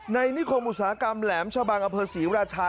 นิคมอุตสาหกรรมแหลมชะบังอเภอศรีราชา